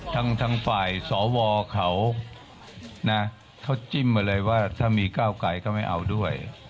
ทั้งฝ่ายสวเขานะเขาจิ้มมาเลยว่าถ้ามีก้าวไกลก็ไม่เอาด้วย